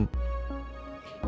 kita harus bicara put